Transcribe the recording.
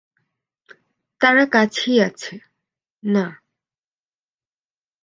তারা কাছেই আছে -না।